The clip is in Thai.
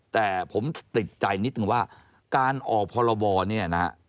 แต่ผมติดใจนิดนึงว่าการออกพรบเนี่ยนะฮะ